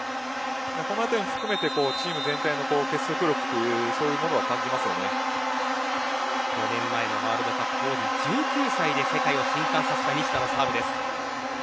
このあたりも含めてチーム全体の結束力というものは４年前のワールドカップ１９歳で世界を震撼させた西田のサーブです。